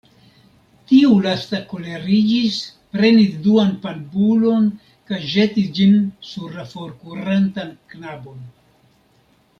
Tiu lasta koleriĝis, prenis duan panbulon kaj ĵetis ĝin sur la forkurantan knabon.